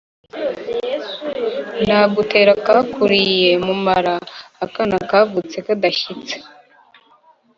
Nagutera akakuriye mu murama-Akana kavutse kadashyitse.